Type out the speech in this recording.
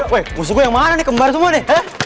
weh musuh gue yang mana nih kembar semua nih